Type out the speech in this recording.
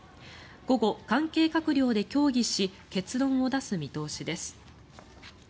午後、関係閣僚で協議し結論を出す見通しです。